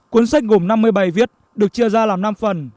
cuốn sách gồm năm mươi bảy viết được chia ra làm năm phần